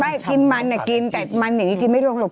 ไม่กินมันกินแต่มันอย่างนี้กินไม่ร่วงหรอก